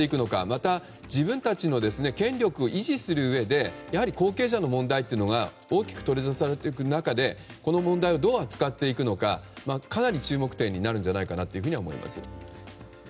また、自分たちの権力を維持するうえでやはり後継者の問題が大きく取りざたされている中でこの問題をどう扱っていくのかかなり注目点になると思います。